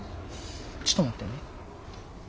ちょっと待ってね。